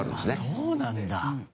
そうなんだ。